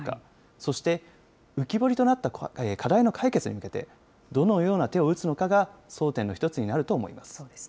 そして、浮き彫りとなった課題の解決に向けて、どのような手を打つのかが争点の一つになると思います。